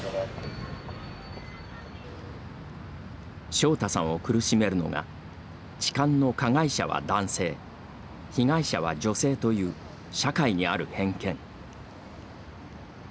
ショウタさんを苦しめるのが痴漢の加害者は男性被害者は女性という社会にある偏見。